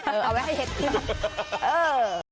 เออเอาไว้ให้เฮ็ดกิน